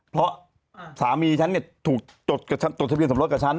เพราะสามีฉันเนี่ยถูกจดทะเบียนสมรสกับฉัน